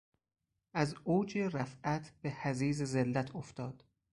از اوج رفعت به حضیض ذلت افتاد.